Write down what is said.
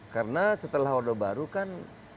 karena setelah ordo baru kan